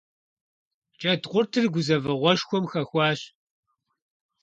Джэдкъуртыр гузэвэгъуэшхуэм хэхуащ.